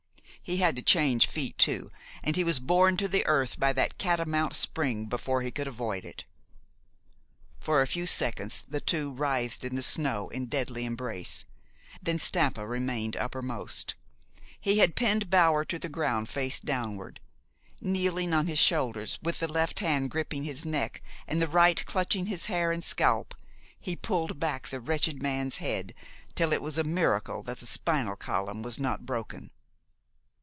He had to change feet too, and he was borne to the earth by that catamount spring before he could avoid it. For a few seconds the two writhed in the snow in deadly embrace. Then Stampa remained uppermost. He had pinned Bower to the ground face downward. Kneeling on his shoulders, with the left hand gripping his neck and the right clutching his hair and scalp, he pulled back the wretched man's head till it was a miracle that the spinal column was not broken.